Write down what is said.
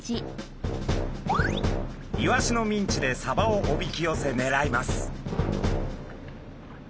イワシのミンチでサバをおびき寄せねらいます。